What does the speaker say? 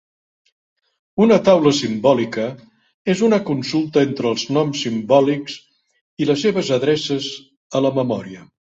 Una taula simbòlica és una consulta entre els noms simbòlics i les seves adreces a la memòria.